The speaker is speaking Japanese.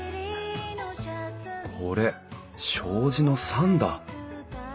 これ障子の桟だ。